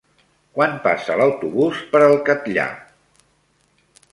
Quan passa l'autobús per el Catllar?